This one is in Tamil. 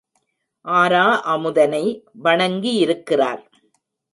ஆரா அமுதனை வணங்கியிருக்கிறார்.